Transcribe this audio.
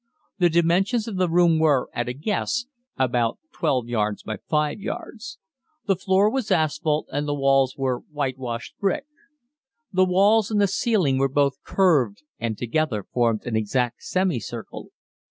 The dimensions of the room were, at a guess, about 12 yards by 5 yards. The floor was asphalt and the walls were whitewashed brick. The walls and the ceiling were both curved and together formed an exact semicircle.